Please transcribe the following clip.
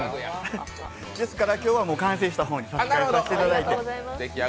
ですから今日はもう完成した方に差し替えさせていただいて。